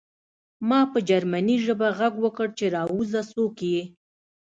ما په جرمني ژبه غږ وکړ چې راوځه څوک یې